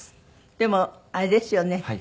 でもあれですよね。